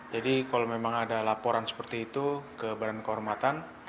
jadi kalau memang ada laporan seperti itu ke badan kehormatan